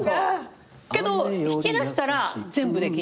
けど弾きだしたら全部できんの。